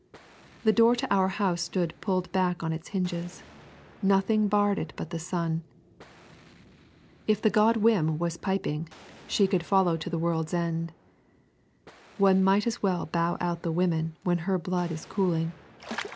The door to our house stood pulled back on its hinges. Nothing barred it but the sun. If the god Whim was piping, she could follow to the world's end. One might as well bow out the woman when her blood is cooling.